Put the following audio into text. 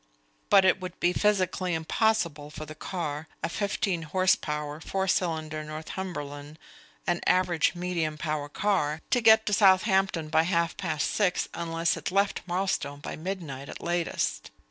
But it would be physically impossible for the car a fifteen horse power four cylinder Northumberland, an average medium power car to get to Southampton by half past six unless it left Marlstone by midnight at latest.